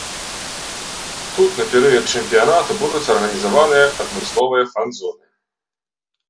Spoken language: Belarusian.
Тут на перыяд чэмпіянату будуць арганізаваны адмысловыя фан-зоны.